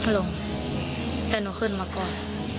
ลงแต่หนูขึ้นมาก่อน